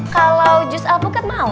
kalau just alpukat mau